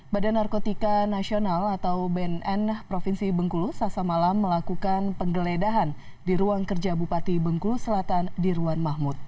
badan narkotika nasional atau bnn provinsi bengkulu sasa malam melakukan penggeledahan di ruang kerja bupati bengkulu selatan dirwan mahmud